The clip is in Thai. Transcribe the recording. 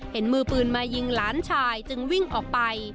มือปืนมายิงหลานชายจึงวิ่งออกไป